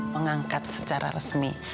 mengangkat secara resmi